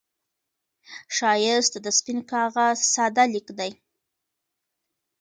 ښایست د سپين کاغذ ساده لیک دی